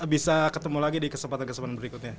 bisa ketemu lagi di kesempatan kesempatan berikutnya